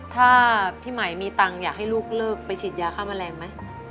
ถ้าพี่ไหมมีตังค์อยากให้ลูกเลิกไปฉีดยาฆ่าแมลงไหม